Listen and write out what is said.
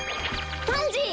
パンジー！